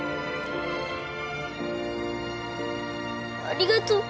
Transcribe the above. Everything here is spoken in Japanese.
ありがとう。